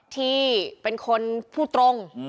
ที่เป็นคนพูดตรง